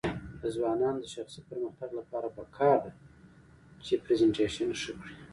د ځوانانو د شخصي پرمختګ لپاره پکار ده چې پریزنټیشن ښه کړي.